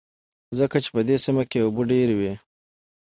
ځکه په دې سيمه کې اوبه ډېر وې.